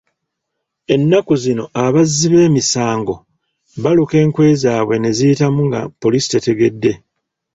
Ennaku zino abazzi b'emisango baluka enkwe zaabwe neziyitamu nga Poliisi tetegedde.